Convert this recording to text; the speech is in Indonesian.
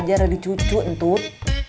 jadi kamu bisa jadi cucu entut